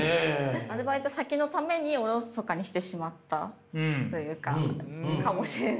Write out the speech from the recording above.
アルバイト先のためにおろそかにしてしまったというかかもしれない。